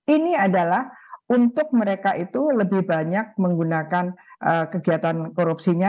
ini adalah untuk mereka itu lebih banyak menggunakan kegiatan korupsinya